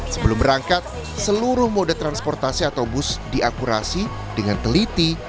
sebelum berangkat seluruh moda transportasi atau bus diakurasi dengan teliti